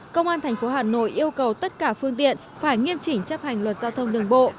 công an tp hà nội yêu cầu tất cả phương tiện phải nghiêm chỉnh chấp hành luật giao thông đường bộ